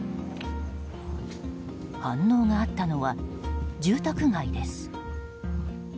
反応があったのは、住宅街です。